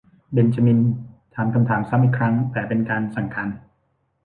เบนจามินถามคำถามซ้ำอีกครั้ง แต่เป็นการสั่งการ